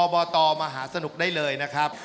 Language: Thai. บตมหาสนุกได้เลยนะครับ